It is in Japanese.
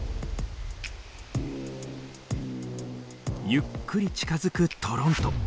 ゆっくり近づくトロント。